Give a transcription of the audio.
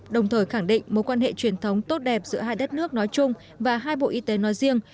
đồng thời khẳng định mối quan hệ truyền thống tốt đẹp giữa hai đất nước nói chung và hai bộ y tế nói riêng